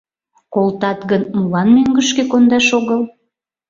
Колтат гын, молан мӧҥгышкӧ кондаш огыл?